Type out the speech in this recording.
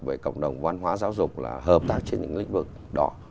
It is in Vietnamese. với cộng đồng văn hóa giáo dục là hợp tác trên những lĩnh vực đó